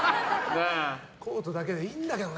コートだけでいいんだけどね。